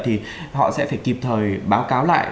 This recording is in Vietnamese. thì họ sẽ phải kịp thời báo cáo lại